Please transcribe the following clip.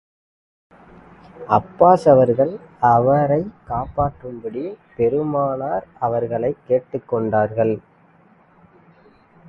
Abbas அவர்கள், அவரைக் காப்பாற்றும்படிப் பெருமானார் அவர்களைக் கேட்டுக் கொண்டார்கள்.